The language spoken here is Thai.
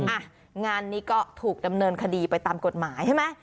อ่ะงานนี้ก็ถูกดำเนินคดีไปตามกฎหมายใช่ไหม